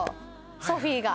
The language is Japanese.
ソフィーが。